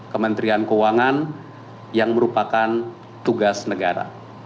kementerian keuangan yang merupakan tugas negara